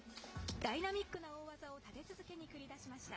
ダイナミックな大技を立て続けに繰り出しました。